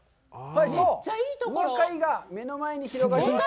宇和海が目の前に広がります。